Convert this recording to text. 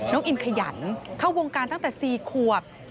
น้องอินขยันเข้าวงการตั้งแต่สี่ขวบ